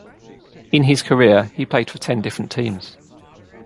In his career, he played for ten different teams.